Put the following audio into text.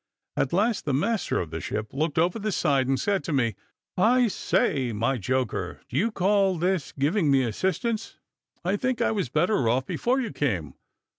At last the master of the ship looked over the side, and said to me, "I say, my joker, do you call this giving me assistance? I think I was better off before you came.